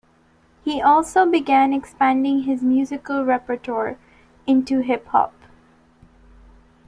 He also began expanding his musical repertoire into hip hop.